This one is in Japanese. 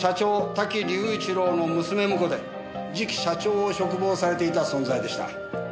瀧隆一郎の娘婿で次期社長を嘱望されていた存在でした。